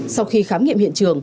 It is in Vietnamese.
sau khi khám nghiệm hiện trường